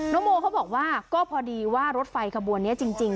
โมเขาบอกว่าก็พอดีว่ารถไฟขบวนนี้จริง